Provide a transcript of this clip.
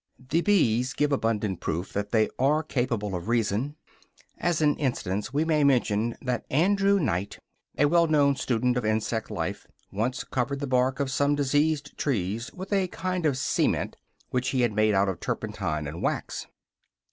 The bees give abundant proof that they are capable of reason. As an instance, we may mention that Andrew Knight, a wellknown student of insect life, once covered the bark of some diseased trees with a kind of cement which he had made out of turpentine and wax.